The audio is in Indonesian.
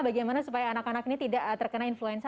bagaimana supaya anak anak ini tidak terkena influenza